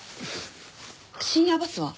深夜バスは？